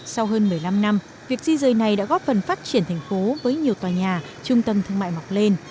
sau hơn một mươi năm năm việc di rời này đã góp phần phát triển thành phố với nhiều tòa nhà trung tâm thương mại mọc lên